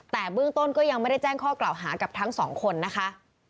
แต่เบื้องต้นก็ยังไม่ได้แจ้งข้อกล่าวหากับทั้งสองคนนะคะ